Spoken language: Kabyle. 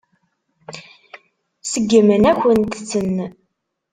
Seggmen-akent-ten.